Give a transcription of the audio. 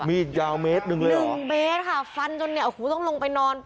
มีดยาวเมตรหนึ่งเลยสองเมตรค่ะฟันจนเนี่ยโอ้โหต้องลงไปนอน